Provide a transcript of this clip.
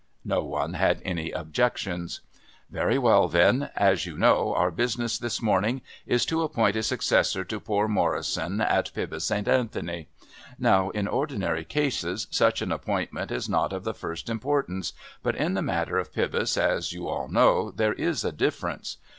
No one had any objections. "Very well, then. As you know, our business this morning is to appoint a successor to poor Morrison at Pybus St. Anthony. Now in ordinary cases, such an appointment is not of the first importance, but in the matter of Pybus, as you all know, there is a difference.